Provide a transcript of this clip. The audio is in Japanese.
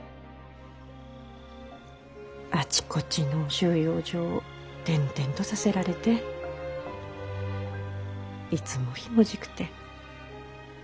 あちこちの収容所を転々とさせられていつもひもじくて。